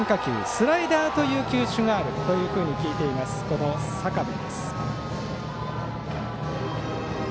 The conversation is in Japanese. スライダーという球種があると聞いています、この坂部。